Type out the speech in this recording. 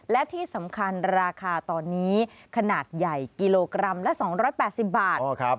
และที่สำคัญราคาตอนนี้ขนาดใหญ่กิโลกรัมละ๒๘๐บาท